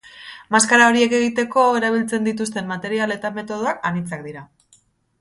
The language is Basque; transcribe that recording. Maskara horiek egiteko erabiltzen dituzten material eta metodoak anitzak dira.